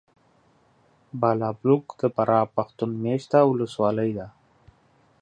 بالابلوک د فراه پښتون مېشته ولسوالي ده .